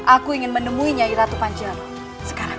aku ingin menemui nyai ratu panjang sekarang